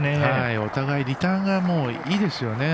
お互いリターンがいいですよね。